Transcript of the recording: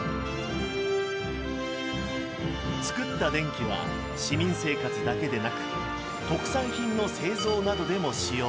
作った電気は市民生活だけでなく特産品の製造などでも使用。